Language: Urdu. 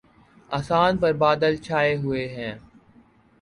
آسان پر بادل چھاۓ ہوۓ ہیں